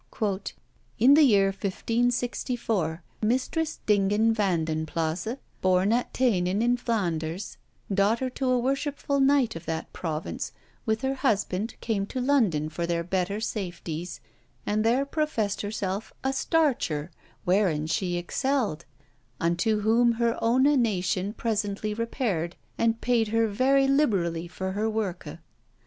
"In the year 1564, Mistris Dinghen Van den Plasse, borne at Tænen in Flaunders, daughter to a worshipfull knight of that province, with her husband, came to London for their better safeties and there professed herself a starcher, wherein she excelled, unto whom her owne nation presently repaired, and payed her very liberally for her worke.